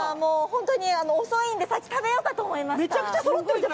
本当に遅いんで先に食べようかと思いました。